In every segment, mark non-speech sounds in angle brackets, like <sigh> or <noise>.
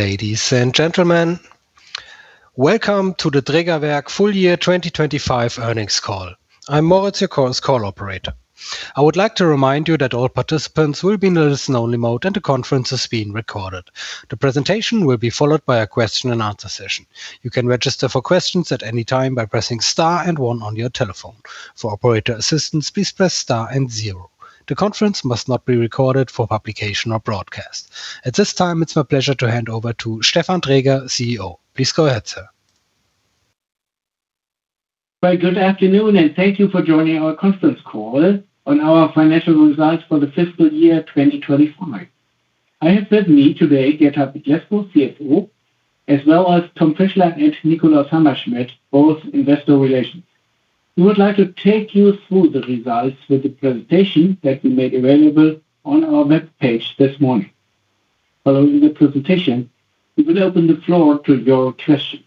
Ladies and gentlemen, welcome to the Drägerwerk Full-Year 2025 Earnings Call. I'm Moritz, your call operator. I would like to remind you that all participants will be in a listen only mode, and the conference is being recorded. The presentation will be followed by a question-and-answer session. You can register for questions at any time by pressing star and one on your telephone. For operator assistance, please press star and zero. The conference must not be recorded for publication or broadcast. At this time, it's my pleasure to hand over to Stefan Dräger, CEO. Please go ahead, sir. Well, good afternoon, and thank you for joining our conference call on our financial results for the fiscal year 2025. I have with me today Gert-Hartwig Lescow, CFO, as well as Thomas Fischler and Nikolaus Hammerschmidt, both Investor Relations. We would like to take you through the results with the presentation that we made available on our webpage this morning. Following the presentation, we will open the floor to your questions.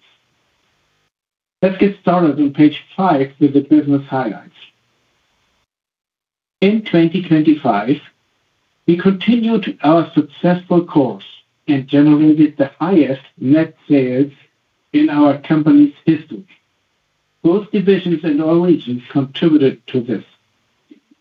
Let's get started on page 5 with the business highlights. In 2025, we continued our successful course and generated the highest net sales in our company's history. Both divisions and all regions contributed to this.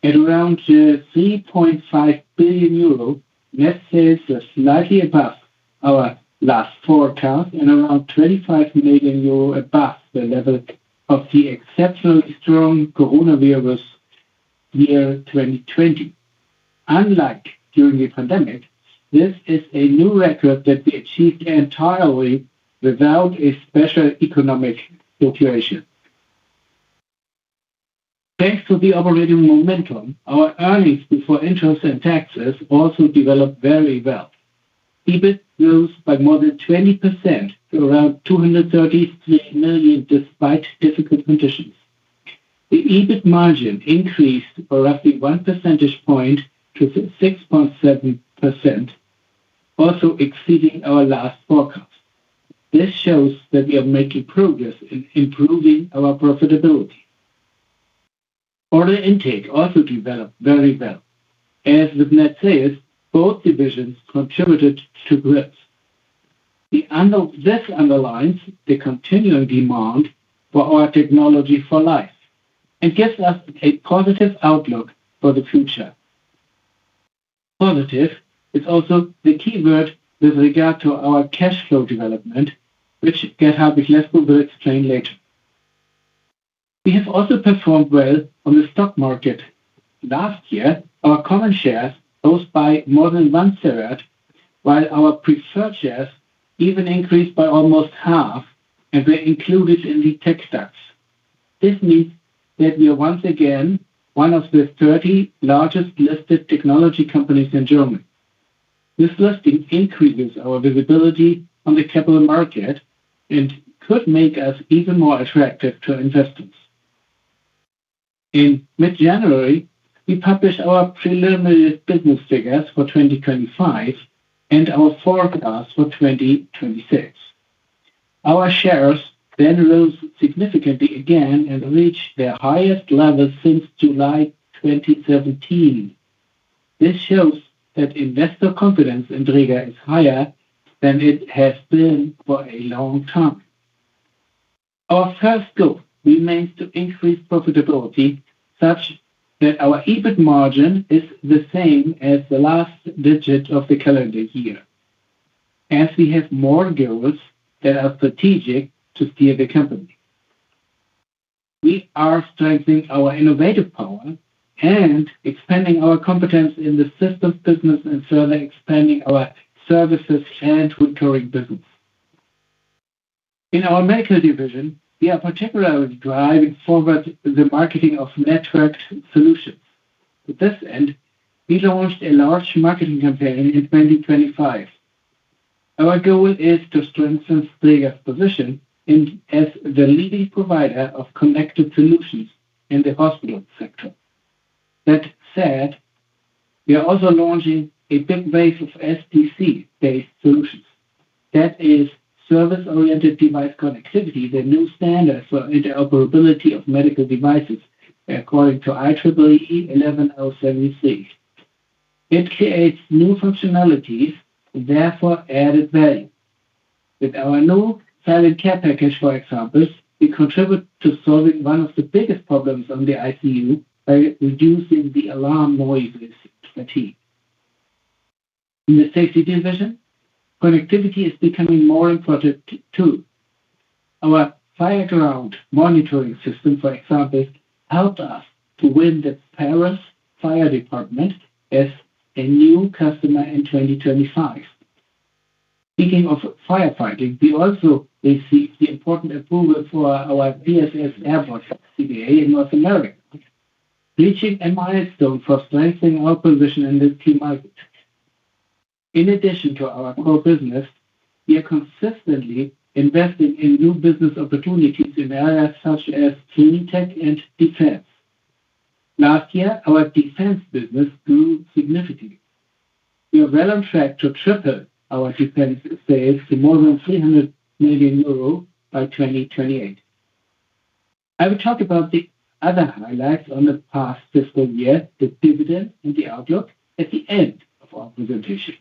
At around 3.5 billion euro, net sales are slightly above our last forecast and around 25 million euro above the level of the exceptionally strong coronavirus year 2020. Unlike during the pandemic, this is a new record that we achieved entirely without a special economic situation. Thanks to the operating momentum, our earnings before interest and taxes also developed very well. EBIT rose by more than 20% to around 233 million, despite difficult conditions. The EBIT margin increased by roughly one percentage point to 6.7%, also exceeding our last forecast. This shows that we are making progress in improving our profitability. Order intake also developed very well. As with net sales, both divisions contributed to growth. This underlines the continuing demand for our technology for life and gives us a positive outlook for the future. Positive is also the keyword with regard to our cash flow development, which Gert-Hartwig Lescow will explain later. We have also performed well on the stock market. Last year, our common shares rose by more than one-third, while our preferred shares even increased by almost half and were included in the TecDAX. This means that we are once again one of the 30 largest listed technology companies in Germany. This listing increases our visibility on the capital market and could make us even more attractive to investors. In mid-January, we published our preliminary business figures for 2025 and our forecast for 2026. Our shares then rose significantly again and reached their highest level since July 2017. This shows that investor confidence in Dräger is higher than it has been for a long time. Our first goal remains to increase profitability, such that our EBIT margin is the same as the last digit of the calendar year, as we have more goals that are strategic to steer the company. We are strengthening our innovative power and expanding our competence in the systems business and further expanding our services and recurring business. In our Medical division, we are particularly driving forward the marketing of network solutions. To this end, we launched a large marketing campaign in 2025. Our goal is to strengthen Dräger's position as the leading provider of connected solutions in the hospital sector. That said, we are also launching a big wave of SDC-based solutions. That is Service Oriented Device Connectivity, the new standard for interoperability of Medical devices according to IEEE 11073. It creates new functionalities and therefore added value. With our new Silence Care Package, for example, we contribute to solving one of the biggest problems on the ICU by reducing the alarm noise fatigue. In the Safety division, connectivity is becoming more important, too. Our FireGround monitoring system, for example, helped us to win the Paris Fire Brigade as a new customer in 2025. Speaking of firefighting, we also received the important approval for our PSS AirBoss SCBA in North America, reaching a milestone for strengthening our position in this key market. In addition to our core business, we are consistently investing in new business opportunities in areas such as cleantech and defense. Last year, our defense business grew significantly. We are well on track to triple our defense sales to more than 300 million euros by 2028. I will talk about the other highlights on the past fiscal year, the dividend, and the outlook at the end of our presentation.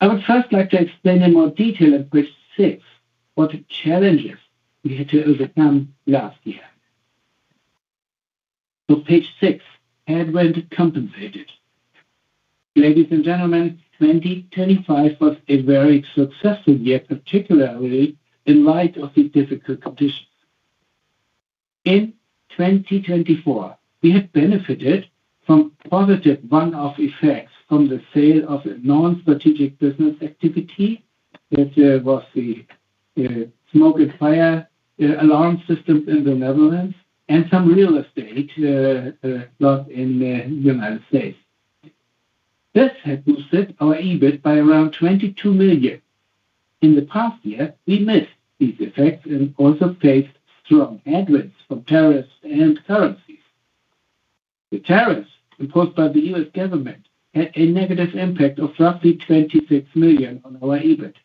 I would first like to explain in more detail on page 6 what challenges we had to overcome last year. Page six, headwind compensated. Ladies and gentlemen, 2025 was a very successful year, particularly in light of the difficult conditions. In 2024, we had benefited from positive one-off effects from the sale of a non-strategic business activity that was the smoke and fire alarm systems in the Netherlands and some real estate lot in the United States. This had boosted our EBIT by around 22 million. In the past year, we missed these effects and also faced strong headwinds from tariffs and currencies. The tariffs imposed by the U.S. government had a negative impact of roughly 26 million on our EBIT.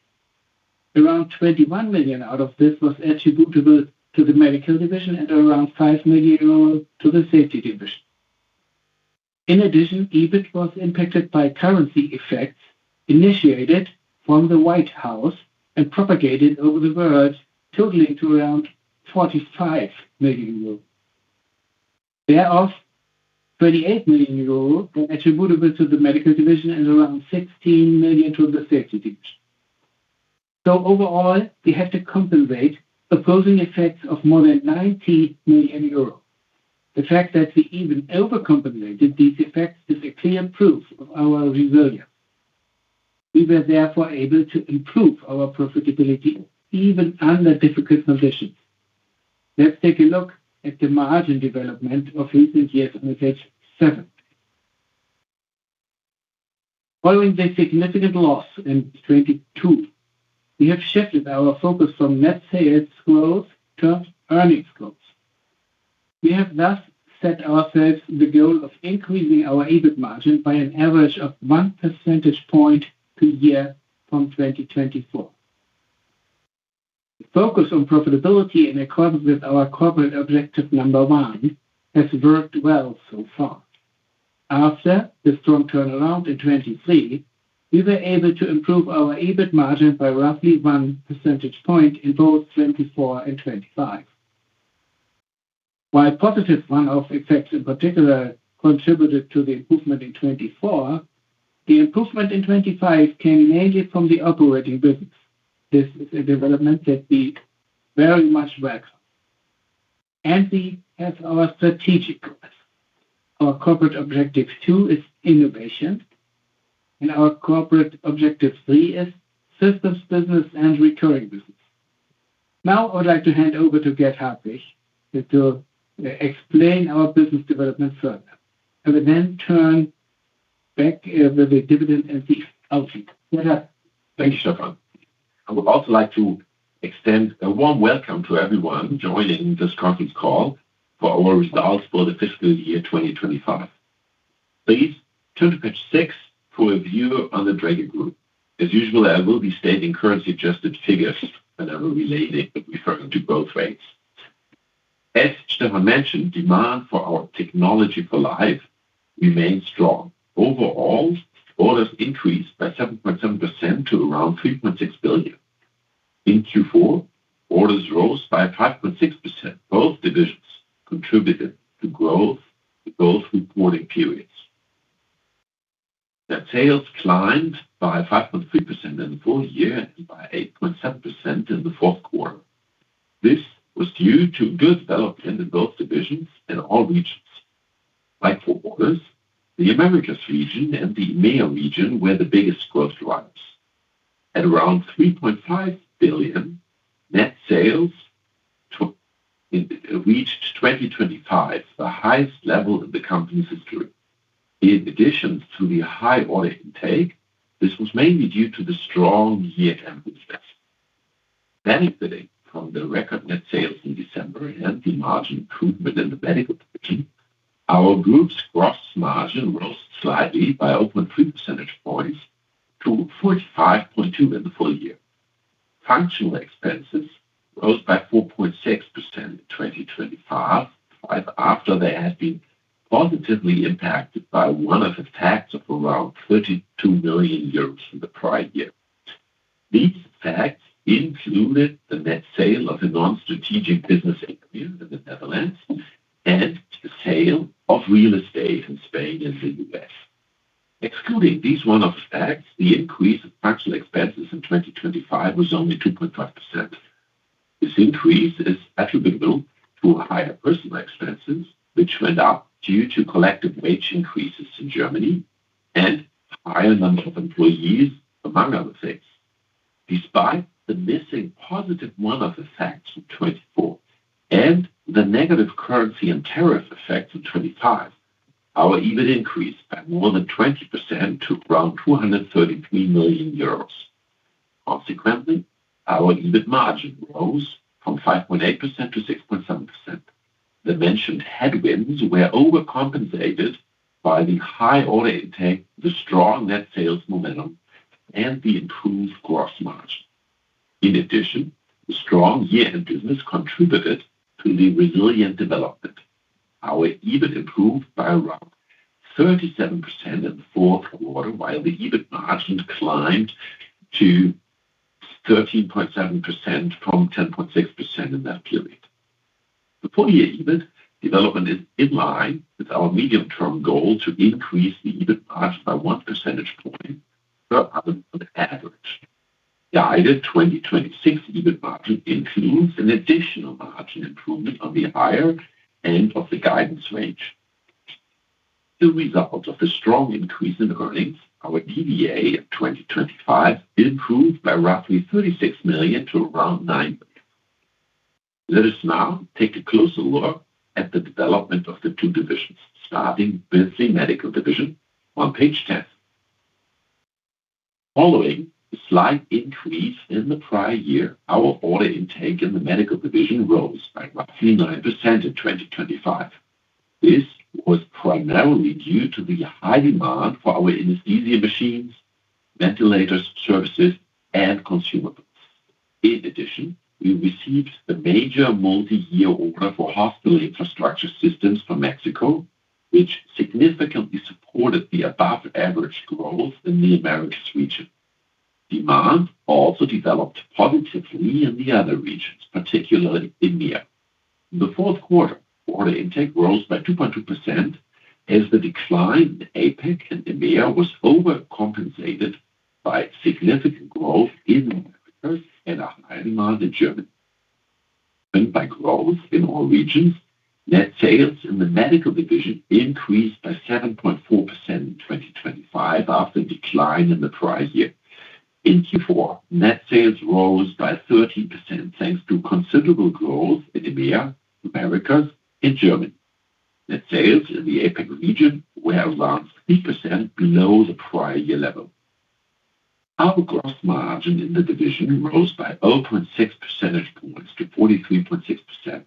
Around 21 million out of this was attributable to the Medical division and around 5 million to the Safety division. In addition, EBIT was impacted by currency effects initiated from the White House and propagated over the world, totaling to around 45 million euros. Thereof, 38 million euros were attributable to the Medical division and around 16 million to the Safety division. Overall, we have to compensate opposing effects of more than 90 million euros. The fact that we even overcompensated these effects is a clear proof of our resilience. We were therefore able to improve our profitability even under difficult conditions. Let's take a look at the margin development of recent years on page seven. Following the significant loss in 2022, we have shifted our focus from net sales growth to earnings growth. We have thus set ourselves the goal of increasing our EBIT margin by an average of one percentage point per year from 2024. Focus on profitability in accordance with our corporate objective number one has worked well so far. After the strong turnaround in 2023, we were able to improve our EBIT margin by roughly 1 percentage point in both 2024 and 2025. While positive one-off effects in particular contributed to the improvement in 2024, the improvement in 2025 came mainly from the operating business. This is a development that we very much welcome. We have our strategic corporate objective two is innovation, and our corporate objective three is systems business and recurring business. Now, I would like to hand over to Gert-Hartwig Lescow to explain our business development further. I will then turn back with the dividend and the outlook. Gert-Hartwig Lescow. Thank you, Stefan. I would also like to extend a warm welcome to everyone joining this conference call for our results for the fiscal year 2025. Please turn to page six for a view on the Dräger Group. As usual, I will be stating currency-adjusted figures, and I will be later referring to both rates. As Stefan mentioned, demand for our Technology for Life remained strong. Overall, orders increased by 7.7% to around 3.6 billion. In Q4, orders rose by 5.6%. Both divisions contributed to growth in both reporting periods. Net sales climbed by 5.3% in the full year and by 8.7% in the fourth quarter. This was due to good development in both divisions and all regions. Like for orders, the Americas region and the EMEA region were the biggest growth drivers. At around 3.5 billion, net sales in 2025 reached the highest level in the company's history. In addition to the high order intake, this was mainly due to the strong year-end business. Benefiting from the record net sales in December and the margin improvement in the Medical division, our group's gross margin rose slightly by 0.3 percentage points to 45.2% in the full year. Functional expenses rose by 4.6% in 2025 after they had been positively impacted by one-off effects of around 32 million euros in the prior year. These effects included the net sale of a non-strategic business in the Netherlands and the sale of real estate in Spain and the U.S. Excluding these one-off effects, the increase of functional expenses in 2025 was only 2.5%. This increase is attributable to higher personal expenses, which went up due to collective wage increases in Germany and higher number of employees, among other things. Despite the missing positive one-off effects in 2024 and the negative currency and tariff effects in 2025, our EBIT increased by more than 20% to around 233 million euros. Consequently, our EBIT margin rose from 5.8% to 6.7%. The mentioned headwinds were overcompensated by the high order intake, the strong net sales momentum, and the improved gross margin. In addition, the strong year-end business contributed to the resilient development. Our EBIT improved by around 37% in the fourth quarter, while the EBIT margin climbed to 13.7% from 10.6% in that period. The full-year EBIT development is in line with our medium-term goal to increase the EBIT margin by one percentage point above the average. The guided 2026 EBIT margin includes an additional margin improvement on the higher end of the guidance range. The results of the strong increase in earnings, our DVA in 2025 improved by roughly 36 million to around 9 million. Let us now take a closer look at the development of the two divisions, starting with the Medical division on page 10. Following the slight increase in the prior year, our order intake in the Medical division rose by roughly 9% in 2025. This was primarily due to the high demand for our anesthesia machines, ventilators, services, and consumables. In addition, we received a major multi-year order for hospital infrastructure systems from Mexico, which significantly supported the above-average growth in the Americas region. Demand also developed positively in the other regions, particularly EMEA. In the fourth quarter, order intake rose by 2.2% as the decline in APAC and EMEA was overcompensated by significant growth in Americas and a high demand in Germany. By growth in all regions, net sales in the Medical division increased by 7.4% in 2025 after a decline in the prior year. In Q4, net sales rose by 13% thanks to considerable growth in EMEA, Americas, and Germany. Net sales in the APAC region were around 3% below the prior year level. Our gross margin in the division rose by 0.6 percentage points to 43.6%.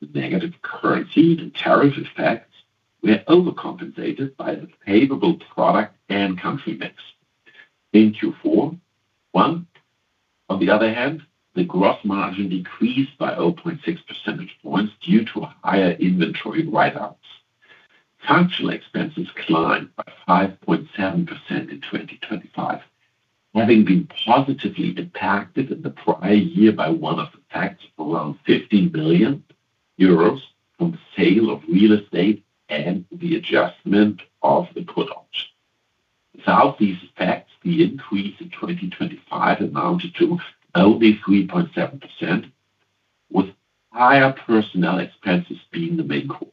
The negative currency and tariff effects were overcompensated by the favorable product and country mix. In Q4, on the other hand, the gross margin decreased by 0.6 percentage points due to higher inventory write-offs. Functional expenses climbed by 5.7% in 2025, having been positively impacted in the prior year by one-off effects of around 50 million euros from the sale of real estate and the adjustment of the put option. Without these effects, the increase in 2025 amounted to only 3.7%, with higher personnel expenses being the main cause.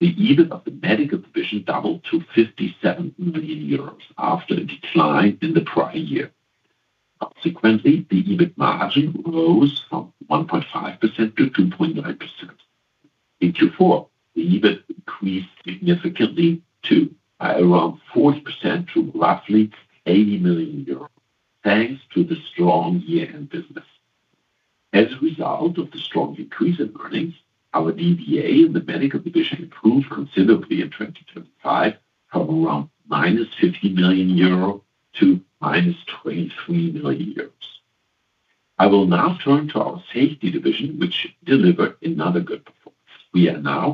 The EBIT of the Medical division doubled to 57 million euros after a decline in the prior year. Subsequently, the EBIT margin rose from 1.5%-2.9%. In Q4, the EBIT increased significantly too, by around 40% to roughly 80 million euros, thanks to the strong year-end business. As a result of the strong increase in earnings, our DVA in the Medical Division improved considerably in 2025 from around -50 million euro to -23 million euros. I will now turn to our Safety Division, which delivered another good performance. We are now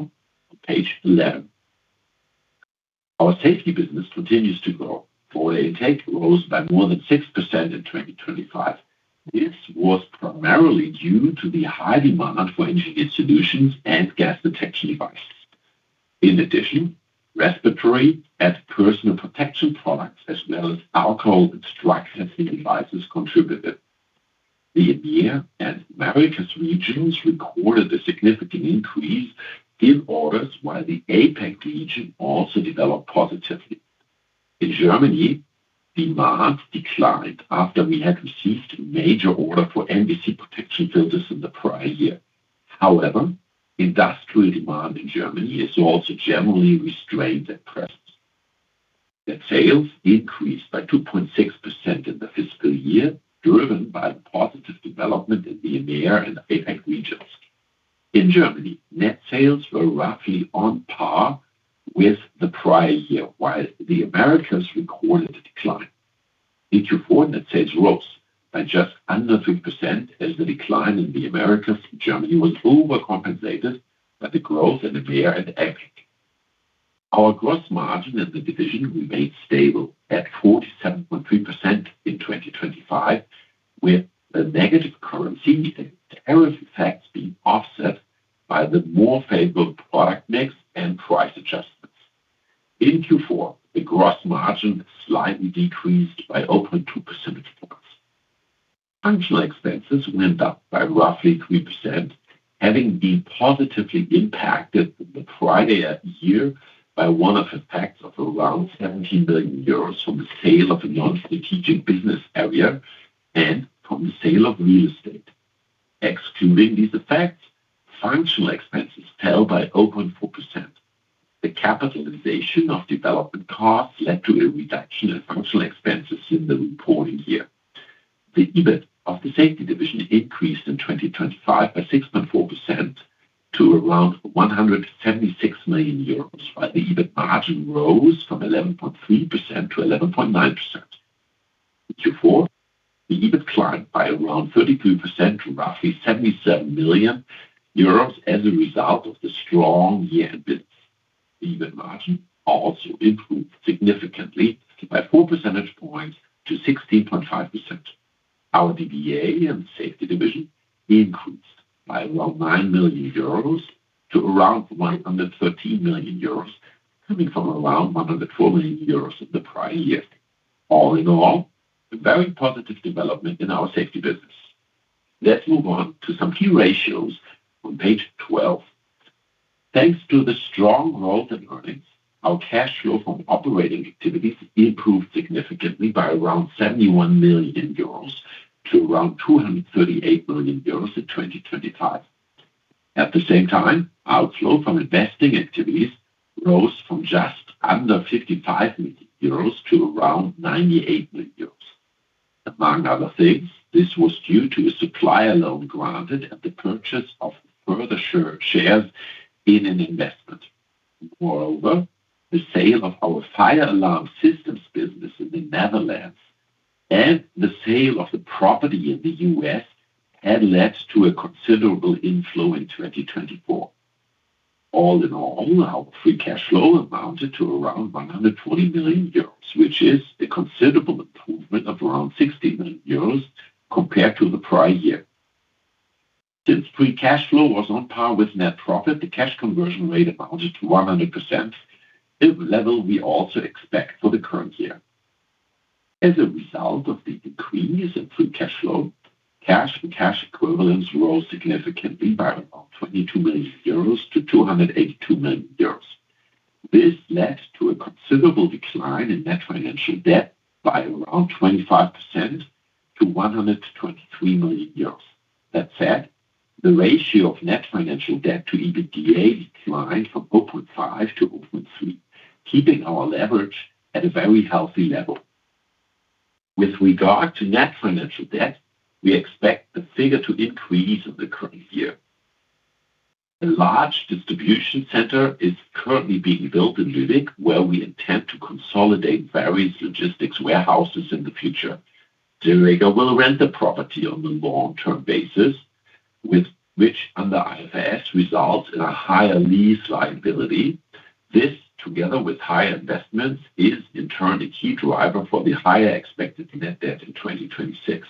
on page 11. Our Safety business continues to grow. Order intake rose by more than 6% in 2025. This was primarily due to the high demand for Engineered Solutions and gas detection devices. In addition, respiratory and personal protection products, as well as alcohol and drug testing devices contributed. The EMEA and Americas regions recorded a significant increase in orders while the APAC region also developed positively. In Germany, demand declined after we had received a major order for NBC protection filters in the prior year. However, industrial demand in Germany is also generally restrained at present. Net sales increased by 2.6% in the fiscal year, driven by the positive development in the EMEA and APAC regions. In Germany, net sales were roughly on par with the prior year, while the Americas recorded a decline. In Q4, net sales rose by just under 3% as the decline in the Americas from Germany was overcompensated by the growth in EMEA and APAC. Our gross margin in the division remained stable at 47.3% in 2025, with the negative currency and tariff effects being offset by the more favorable product mix and price adjustments. In Q4, the gross margin slightly decreased by 0.2 percentage points. Functional expenses went up by roughly 3%, having been positively impacted in the prior year by one-off effects of around 17 billion euros from the sale of a non-strategic business area and from the sale of real estate. Excluding these effects, functional expenses fell by 0.4%. The capitalization of development costs led to a reduction in functional expenses in the reporting year. The EBIT of the Safety division increased in 2025 by 6.4% to around 176 million euros, while the EBIT margin rose from 11.3%-11.9%. In Q4, the EBIT climbed by around 32% to roughly 77 million euros as a result of the strong year end bids. The EBIT margin also improved significantly by four percentage points to 16.5%. Our DVA and Safety division increased by around 9 million euros to around 113 million euros, coming from around 104 million euros in the prior year. All in all, a very positive development in our Safety business. Let's move on to some key ratios on page 12. Thanks to the strong growth in earnings, our cash flow from operating activities improved significantly by around 71 million euros to around 238 million euros in 2025. At the same time, outflow from investing activities rose from just under 55 million euros to around 98 million euros. Among other things, this was due to a supplier loan granted and the purchase of further shares in an investment. Moreover, the sale of our fire alarm systems business in the Netherlands and the sale of the property in the U.S. had led to a considerable inflow in 2024. All in all, our free cash flow amounted to around 120 million euros, which is a considerable improvement of around 60 million euros compared to the prior year. Since free cash flow was on par with net profit, the cash conversion rate amounted to 100%, a level we also expect for the current year. As a result of the increase in free cash flow, cash and cash equivalents rose significantly by around 22 million euros to 282 million euros. This led to a considerable decline in net financial debt by around 25% to 123 million euros. That said, the ratio of net financial debt to EBITDA declined from 0.5-0.3, keeping our leverage at a very healthy level. With regard to net financial debt, we expect the figure to increase in the current year. A large distribution center is currently being built in Lübeck, where we intend to consolidate various logistics warehouses in the future. Dräger will rent the property on a long-term basis, with which under IFRS results in a higher lease liability. This, together with high investments, is in turn a key driver for the higher expected net debt in 2026.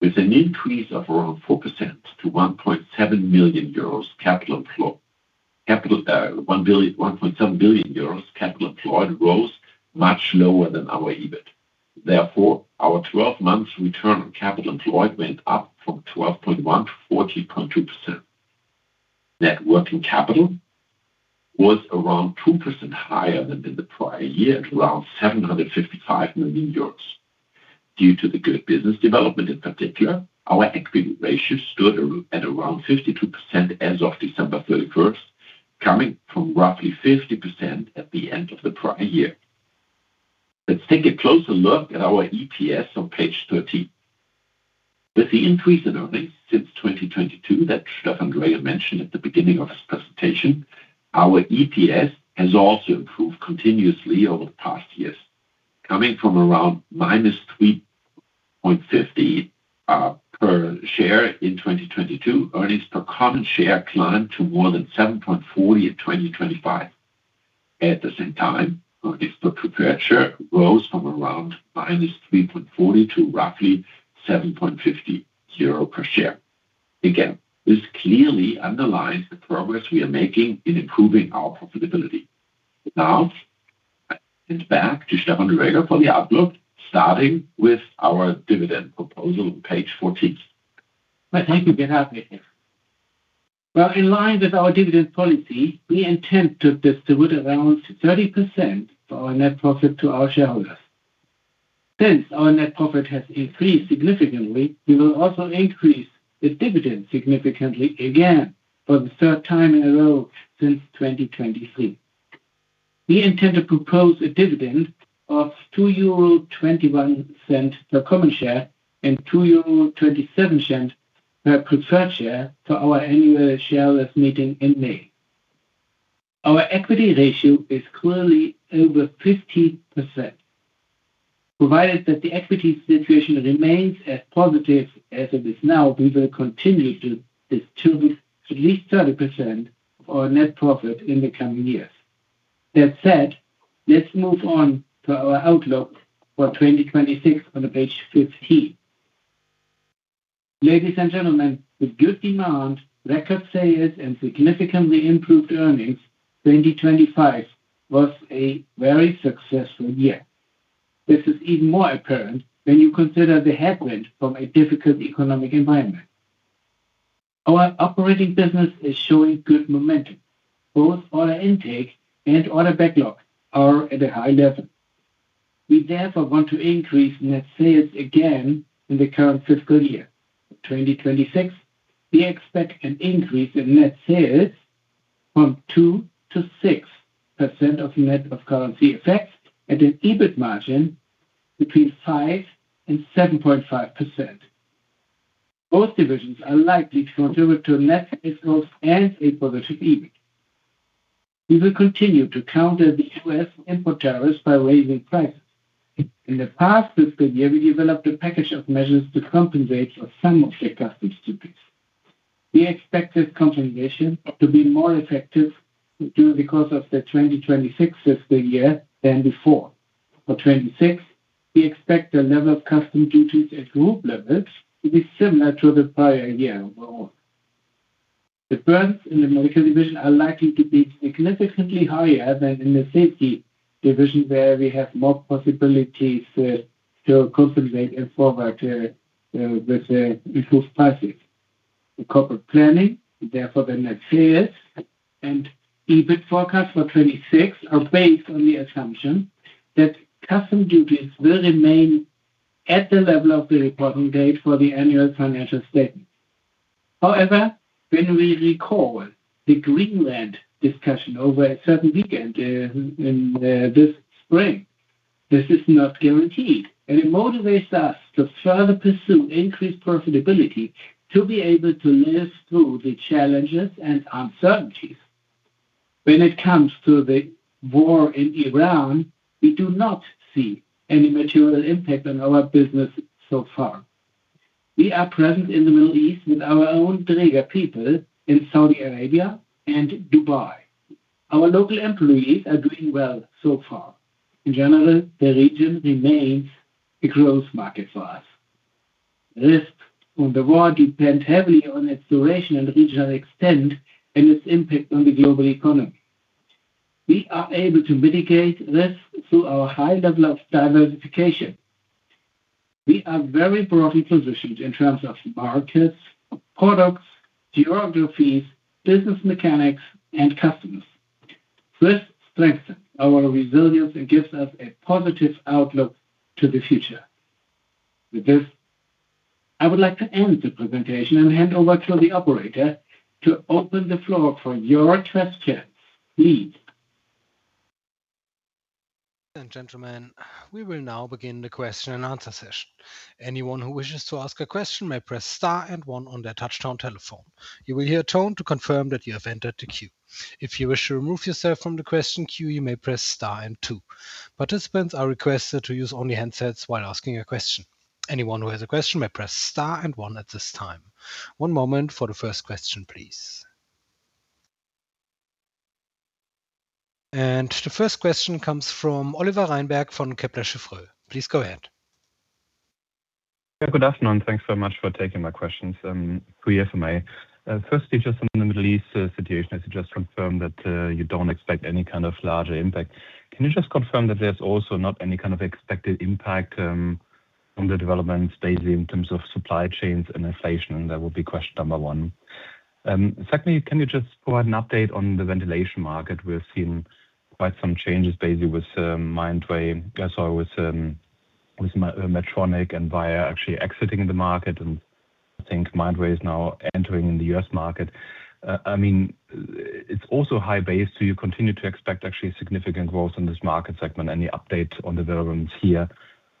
With an increase of around 4% to 1.7 billion euros, capital employed rose much lower than our EBIT. Therefore, our 12-month return on capital employed went up from 12.1%-14.2%. Net working capital was around 2% higher than in the prior year at around 755 million euros. Due to the good business development in particular, our equity ratio stood at around 52% as of December 31, coming from roughly 50% at the end of the prior year. Let's take a closer look at our EPS on page 13. With the increase in earnings since 2022 that Stefan Dräger mentioned at the beginning of his presentation, our EPS has also improved continuously over the past years. Coming from around -3.50 per share in 2022, earnings per common share climbed to more than 7.40 in 2025. At the same time, earnings per preferred share rose from around [6.67] to roughly 7.50 euro per share. Again, this clearly underlines the progress we are making in improving our profitability. Now, I hand back to Stefan Dräger for the outlook, starting with our dividend proposal on page 14. Why, thank you, Gert-Hartwig Lescow, thank you. Well, in line with our dividend policy, we intend to distribute around 30% of our net profit to our shareholders. Since our net profit has increased significantly, we will also increase the dividend significantly again for the third time in a row since 2023. We intend to propose a dividend of 2.21 euro per common share and 2.27 euro per preferred share to our annual shareholders meeting in May. Our equity ratio is clearly over 50%. Provided that the equity situation remains as positive as it is now, we will continue to distribute at least 30% of our net profit in the coming years. That said, let's move on to our outlook for 2026 on page 15. Ladies and gentlemen, with good demand, record sales and significantly improved earnings, 2025 was a very successful year. This is even more apparent when you consider the headwind from a difficult economic environment. Our operating business is showing good momentum. Both order intake and order backlog are at a high level. We therefore want to increase net sales again in the current fiscal year. 2026, we expect an increase in net sales of 2%-6% net of currency effects and an EBIT margin between 5% and 7.5%. Both divisions are likely to contribute to net results and a positive EBIT. We will continue to counter the U.S. import tariffs by raising prices. In the past fiscal year, we developed a package of measures to compensate for some of the customs duties. We expect this compensation to be more effective due to the course of the 2026 fiscal year than before. For 2026, we expect the level of customs duties at group level to be similar to the prior year overall. The burdens in the Medical Division are likely to be significantly higher than in the Safety Division, where we have more possibilities to compensate and forward with the improved prices. The corporate planning, therefore the net sales and EBIT forecast for 2026 are based on the assumption that customs duties will remain at the level of the reporting date for the annual financial statement. However, when we recall the trade war discussion over a certain weekend in this spring, this is not guaranteed, and it motivates us to further pursue increased profitability to be able to live through the challenges and uncertainties. When it comes to the war in Ukraine, we do not see any material impact on our business so far. We are present in the Middle East with our own Dräger people in Saudi Arabia and Dubai. Our local employees are doing well so far. In general, the region remains a growth market for us. Risks from the war depend heavily on its duration and regional extent and its impact on the global economy. We are able to mitigate risk through our high level of diversification. We are very broadly positioned in terms of markets, products, geographies, business mechanics, and customers. This strengthens our resilience and gives us a positive outlook to the future. With this, I would like to end the presentation and hand over to the operator to open the floor for your questions. Please. Ladies and gentlemen, we will now begin the question-and-answer session. Anyone who wishes to ask a question may press star and one on their touch-tone telephone. You will hear a tone to confirm that you have entered the queue. If you wish to remove yourself from the question queue, you may press star and two. Participants are requested to use only handsets while asking a question. Anyone who has a question may press star and one at this time. One moment for the first question, please. The first question comes from Oliver Reinberg from Kepler Cheuvreux. Please go ahead. Good afternoon. Thanks very much for taking my questions. Three FMA. Firstly, just on the Middle East situation, I just want to confirm that you don't expect any kind of larger impact. Can you just confirm that there's also not any kind of expected impact on the developments, basically, in terms of supply chains and inflation? That would be question number one. Secondly, can you just provide an update on the ventilation market? We've seen quite some changes, basically, with Mindray. I saw with Medtronic and Vyaire actually exiting the market, and I think Mindray is now entering in the U.S. market. I mean, it's also high base. Do you continue to expect actually significant growth in this market segment? Any update on developments here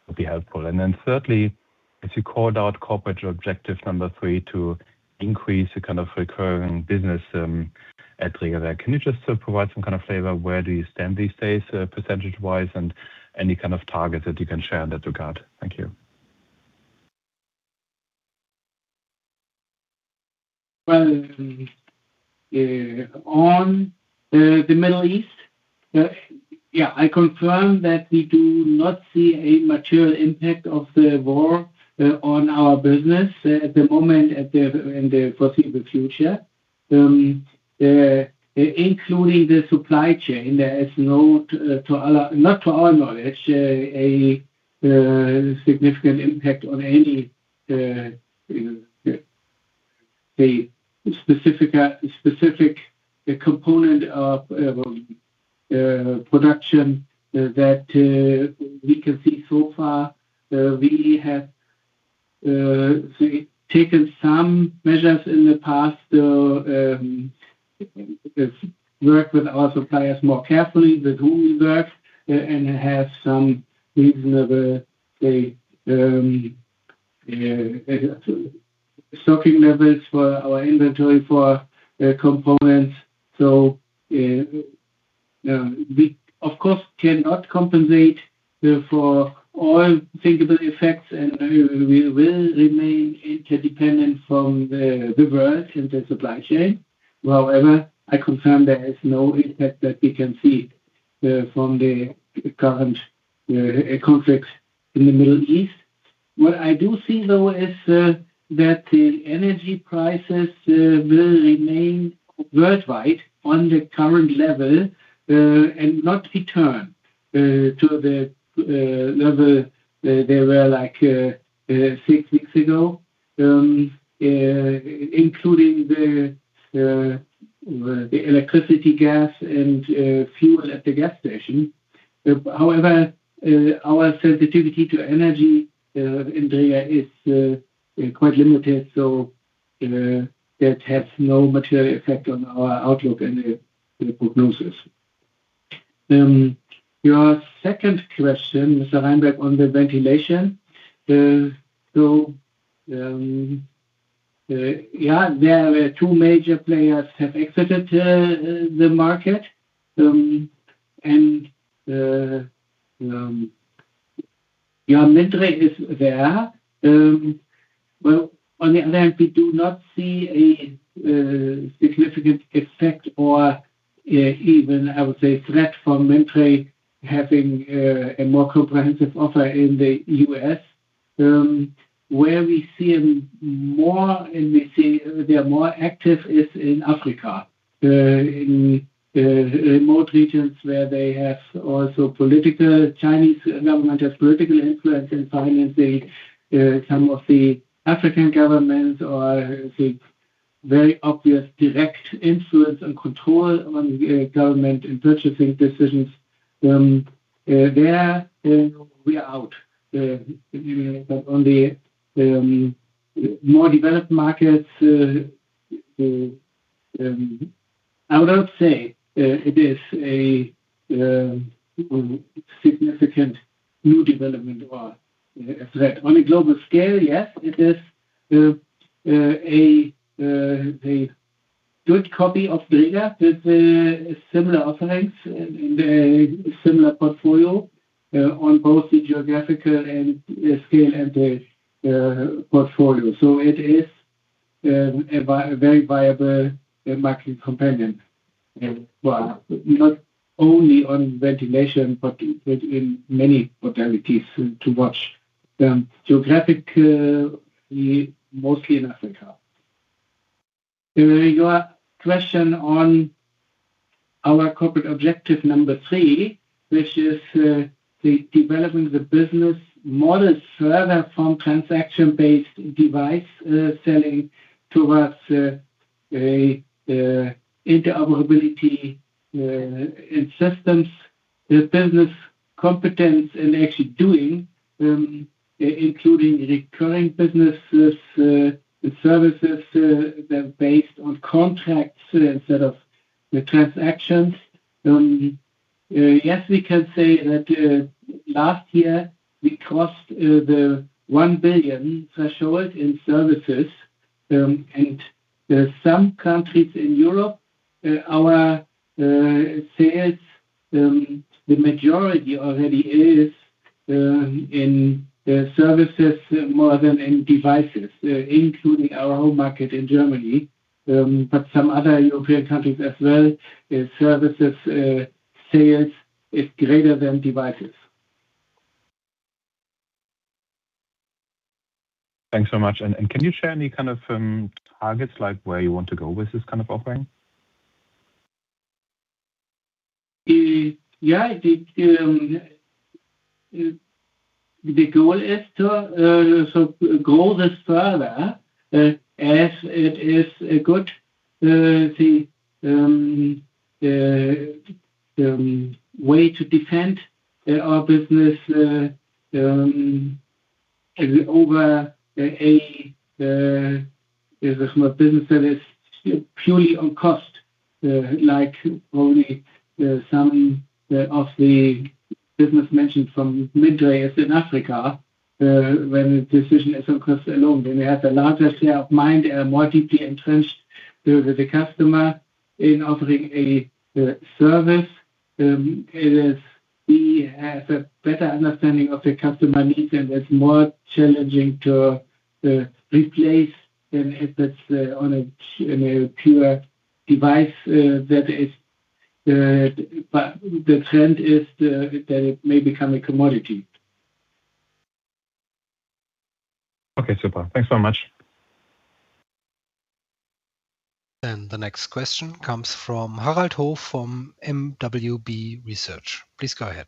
would be helpful. Thirdly, as you called out corporate objective number three to increase the kind of recurring business at Dräger. Can you just provide some kind of flavor where you stand these days percentage-wise, and any kind of targets that you can share in that regard? Thank you. On the Middle East, I confirm that we do not see a material impact of the war on our business at the moment in the foreseeable future. Including the supply chain, there is no, not to our knowledge, a significant impact on any specific component of production that we can see so far. We have taken some measures in the past, work with our suppliers more carefully, the group works and has some reasonable stocking levels for our inventory for components. We, of course, cannot compensate for all thinkable effects, and we will remain interdependent from the diverse in the supply chain. However, I confirm there is no impact that we can see from the current conflicts in the Middle East. What I do see, though, is that the energy prices will remain worldwide on the current level and not return to the level they were like six weeks ago, including the electricity, gas, and fuel at the gas station. However, our sensitivity to energy in Dräger is quite limited, so you know, that has no material effect on our outlook and the prognosis. Your second question, Oliver Reinberg, on the ventilation. So yeah, there were two major players have exited the market, and yeah, Mindray is there. Well, on the other hand, we do not see a significant effect or even, I would say, threat from Mindray having a more comprehensive offer in the U.S. Where we see them more and we see they are more active is in Africa, in remote regions where they have also political Chinese government has political influence in financing some of the African governments, or I think very obvious direct influence and control on the government and purchasing decisions. There, we are out, but on the more developed markets, I would not say it is a significant new development or a threat. On a global scale, yes, it is a good copy of Dräger with similar offerings and a similar portfolio on both the geographical and in scale and the portfolio. It is a very viable market companion, well, not only on ventilation, but in many modalities to watch, geographic mostly in Africa. Your question on our corporate objective number three, which is the development of the business models further from transaction-based device selling towards interoperability and systems, the business component in actually doing including recurring businesses and services that are based on contracts instead of the transactions. Yes, we can say that, last year we crossed the 1 billion threshold in services. There are some countries in Europe, our sales, the majority already is in services more than in devices, including our home market in Germany. Some other European countries as well, services sales is greater than devices. Thanks so much. Can you share any kind of targets, like where you want to go with this kind of offering? Yeah. The, the goal is to so go this further, as it is a good, the way to defend our business over a small business that is purely on cost, like only some of the business mentioned from Mindray is in Africa, when the decision is on cost alone. We have the largest share of mind and are more deeply entrenched with the customer in offering a service. It is we have a better understanding of the customer needs, and it's more challenging to replace than if it's on a pure device that is, the trend is that it may become a commodity. Okay. Super. Thanks so much. The next question comes from Harald Hof from mwb research. Please go ahead.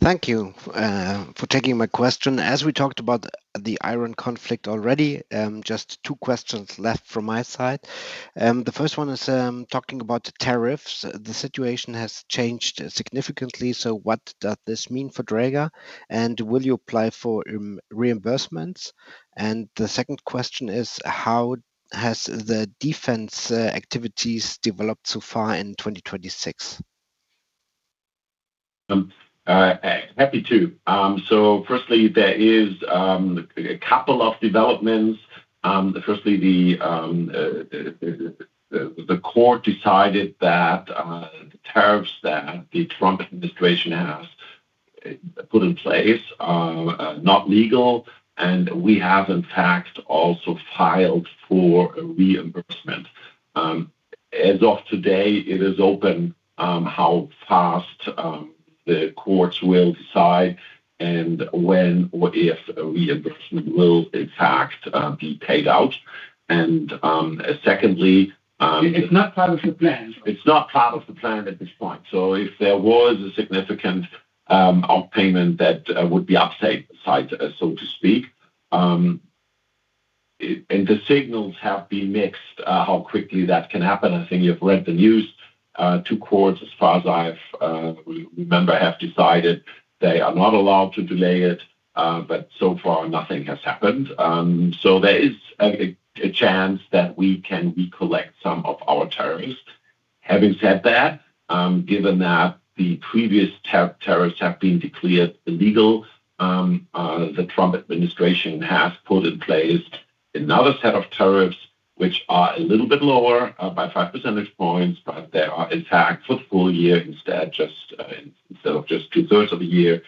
Thank you for taking my question. As we talked about the Ukraine conflict already, just two questions left from my side. The first one is, talking about the tariffs. The situation has changed significantly, so what does this mean for Dräger, and will you apply for import reimbursements? The second question is, how has the defense activities developed so far in 2026? Happy to. Firstly, there is a couple of developments. Firstly, the court decided that the tariffs that the Trump administration has put in place are not legal, and we have in fact also filed for a reimbursement. As of today, it is open how fast the courts will decide and when or if a reimbursement will in fact be paid out. Secondly- It's not part of the plan. It's not part of the plan at this point. If there was a significant payout, that would be upside, so to speak. The signals have been mixed how quickly that can happen. I think you've read the news. Two courts, as far as I remember, have decided they are not allowed to delay it, but so far nothing has happened. There is a chance that we can recollect some of our tariffs. Having said that, given that the previous tariffs have been declared illegal, the Trump administration has put in place another set of tariffs which are a little bit lower by 5 percentage points, but they are intact for the full year instead of just two-thirds of the year.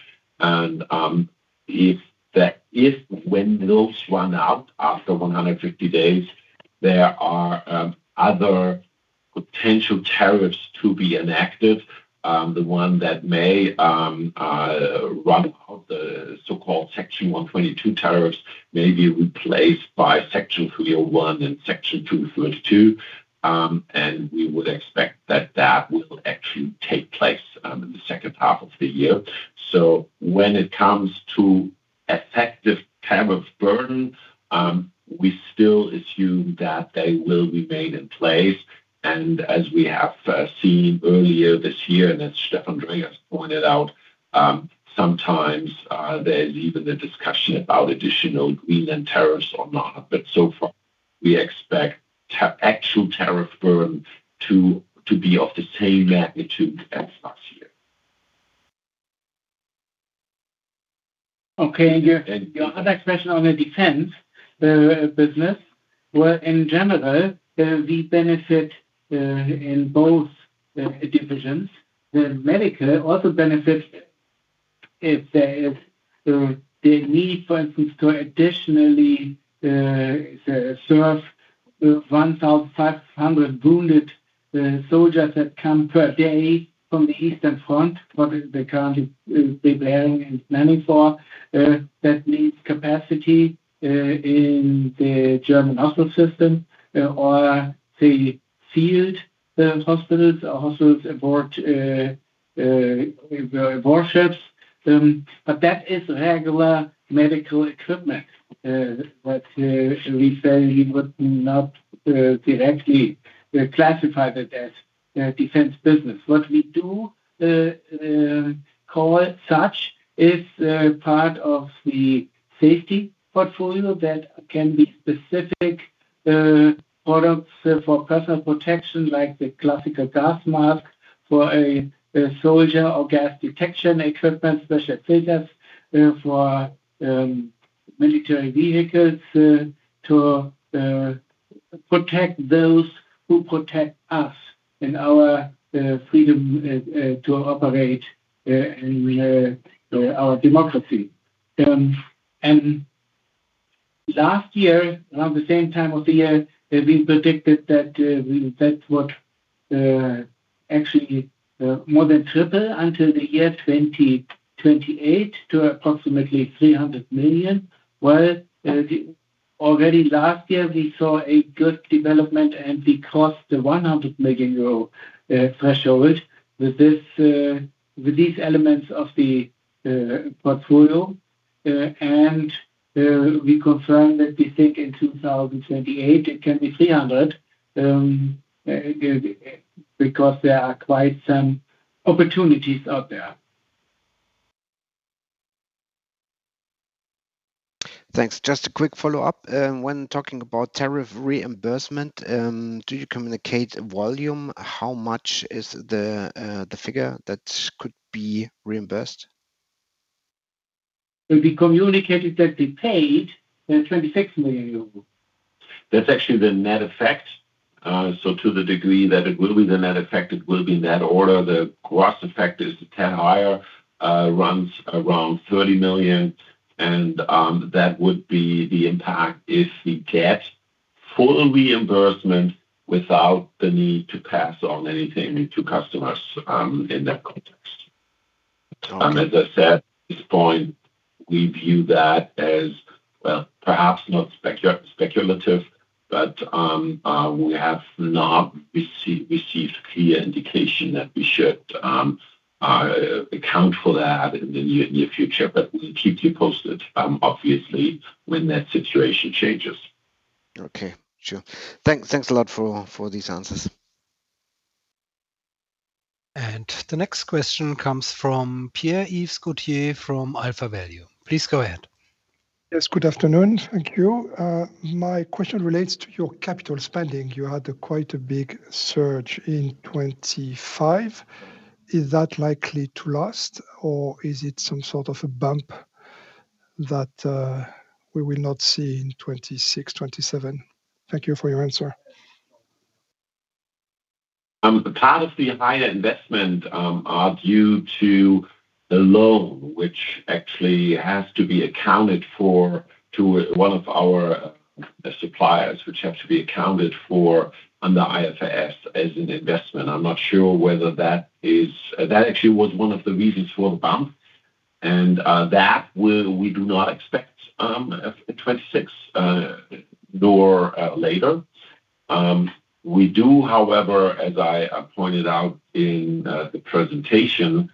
If when those run out after 150 days, there are other potential tariffs to be enacted. The one that may run out, the so-called Section 122 tariffs may be replaced by Section 301 and Section 232. We would expect that that will actually take place in the second half of the year. When it comes to effective tariff burden, we still assume that they will remain in place. As we have seen earlier this year, and as Stefan Dräger has pointed out, sometimes there's even a discussion about additional 301 tariffs or not. So far, we expect actual tariff burden to be of the same magnitude as last year. Okay. Your other question on the defense business. Well, in general, we benefit in both divisions. The Medical also benefits if there is the need, for instance, to additionally serve 1,500 wounded soldiers that come per day from the eastern front. What they're currently preparing and planning for, that needs capacity in the German hospital system, or the field hospitals or hospitals aboard warships. But that is regular medical equipment that we fairly would not directly classify it as defense business. What we do call it such is part of the Safety portfolio that can be specific products for personal protection, like the classical gas mask for a soldier or gas detection equipment, special filters for military vehicles to protect those who protect us and our freedom to operate in our democracy. Last year, around the same time of the year, we predicted that that would actually more than triple until the year 2028 to approximately 300 million. Already last year we saw a good development, and we crossed the 100 million euro threshold with these elements of the portfolio. We confirm that we think in 2028 it can be 300, because there are quite some opportunities out there. Thanks. Just a quick follow-up. When talking about tariff reimbursement, do you communicate volume? How much is the figure that could be reimbursed? We communicated that we paid 26 million euros. That's actually the net effect. To the degree that it will be the net effect, it will be net order. The gross effect is 10 higher, runs around 30 million. That would be the impact if we get full reimbursement without the need to pass on anything to customers, in that context. Okay. As I said, this point, we view that as, well, perhaps not speculative, but we have not received clear indication that we should account for that in the near future. We'll keep you posted, obviously, when that situation changes. Okay. Sure. Thanks a lot for these answers. The next question comes from Pierre-Yves Gauthier from AlphaValue. Please go ahead. Yes, good afternoon. Thank you. My question relates to your capital spending. You had quite a big surge in 2025. Is that likely to last or is it some sort of a bump that we will not see in 2026, 2027? Thank you for your answer. Part of the higher investment are due to the loan which actually has to be accounted for to one of our suppliers, which have to be accounted for under IFRS as an investment. I'm not sure whether that is. That actually was one of the reasons for the bump and that we do not expect <audio distortion> 2026 nor later. We do, however, as I pointed out in the presentation,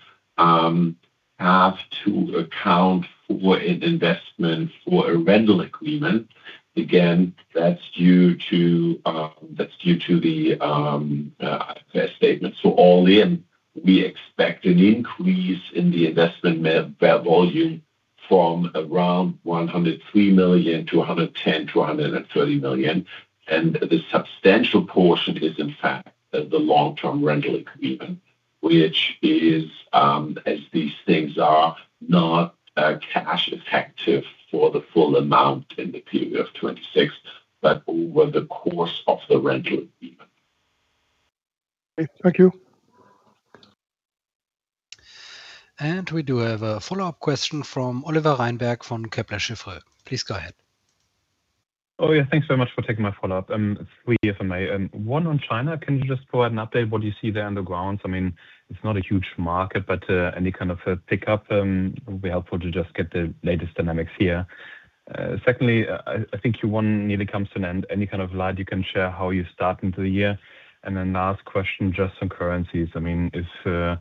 have to account for an investment for a rental agreement. Again, that's due to the fair value. All in, we expect an increase in the investment volume from around 103 million-110-EUR 130 million. The substantial portion is, in fact, the long-term rental agreement, which is, as these things are, not cash effective for the full amount in the period of 2026, but over the course of the rental agreement. Okay. Thank you. We do have a follow-up question from Oliver Reinberg from Kepler Cheuvreux. Please go ahead. Oh, yeah. Thanks very much for taking my follow-up. <audio distortion> and one on China. Can you just provide an update what you see there on the grounds? I mean, it's not a huge market, but any kind of a pickup will be helpful to just get the latest dynamics here. Secondly, I think Q1 nearly comes to an end. Any kind of light you can share how you start into the year. Then last question, just on currencies. I mean, I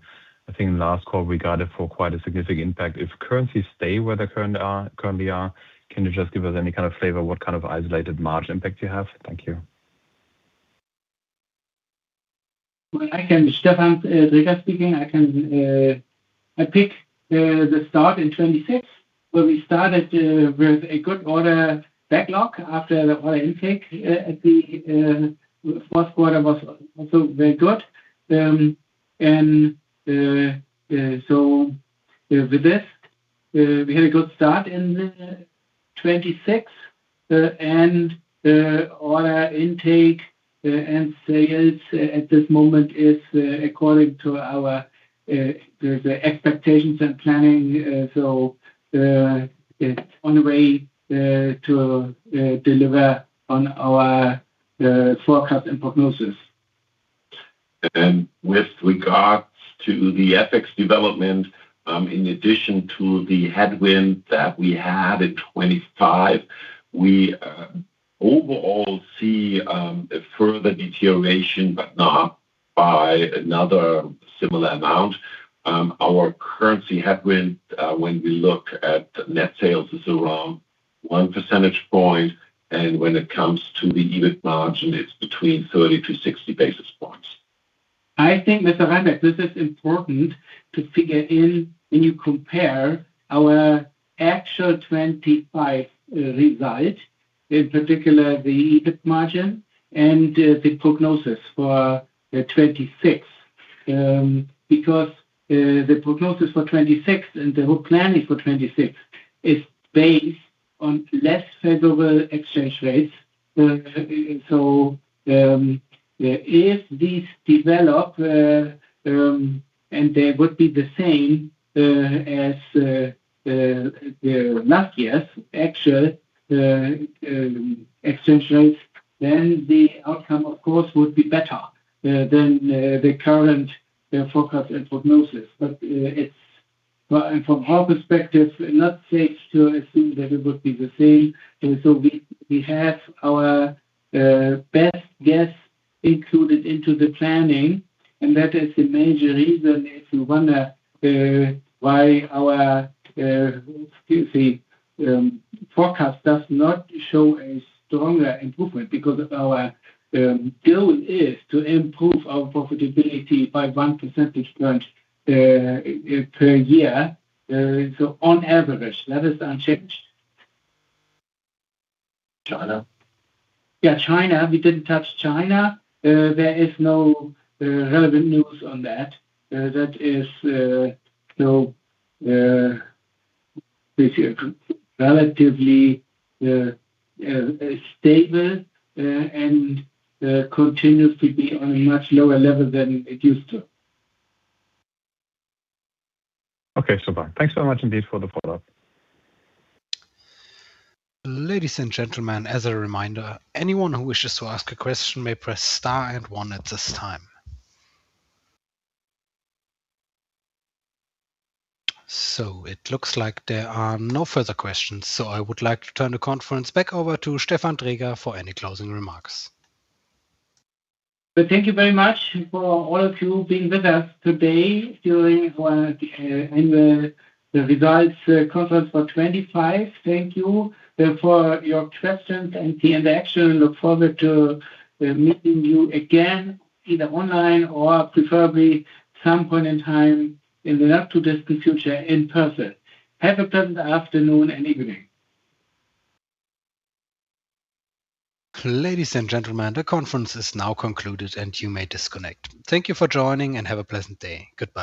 think last call we got hit for quite a significant impact. If currencies stay where they currently are, can you just give us any kind of flavor what kind of isolated margin impact you have? Thank you. Well, Stefan Dräger speaking. I can pick the start in 2026, where we started with a good order backlog after the order intake at the first quarter was also very good. With this, we had a good start in 2026. The order intake and sales at this moment is according to our expectations and planning. It's on the way to deliver on our forecast and prognosis. With regards to the FX development, in addition to the headwind that we had in 2025, we overall see a further deterioration, but not by another similar amount. Our currency headwind, when we look at net sales, is around one percentage point, and when it comes to the EBIT margin, it's between 30-60 basis points. I think, Mr. Reinberg, this is important to figure in when you compare our actual 2025 result, in particular the EBIT margin and the prognosis for 2026. Because the prognosis for 2026 and the whole planning for 2026 is based on less favorable exchange rates. If these develop and they would be the same as the last year's actual exchange rates, then the outcome, of course, would be better than the current forecast and prognosis. From our perspective, it's not safe to assume that it would be the same. We have our best guess included into the planning, and that is a major reason, if you wonder, why our forecast does not show a stronger improvement. Because our goal is to improve our profitability by one percentage point per year, so on average, that is unchanged. China. Yeah, China. We didn't touch China. There is no relevant news on that. That is relatively stable and continues to be on a much lower level than it used to. Okay. Bye. Thanks very much indeed for the follow-up. Ladies and gentlemen, as a reminder, anyone who wishes to ask a question may press star and one at this time. It looks like there are no further questions, so I would like to turn the conference back over to Stefan Dräger for any closing remarks. Well, thank you very much for all of you being with us today during the results conference for 2025. Thank you for your questions and the interaction. I look forward to meeting you again, either online or preferably some point in time in the not-too-distant future in person. Have a pleasant afternoon and evening. Ladies and gentlemen, the conference is now concluded and you may disconnect. Thank you for joining and have a pleasant day. Goodbye.